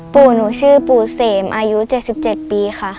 ปู่หนูชื่อปู่เสมอายุ๗๗ปีค่ะ